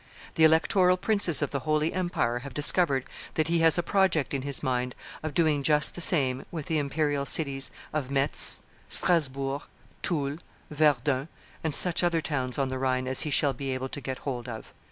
The electoral princes of the holy empire have discovered that he has a project in his mind of doing just the same with the imperial cities of Metz, Strasbourg, Toul, Verdun, and such other towns on the Rhine as he shall be able to get hold of.